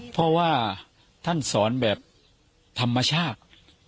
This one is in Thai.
เพราะว่าท่านสอนแบบธรรมชาติ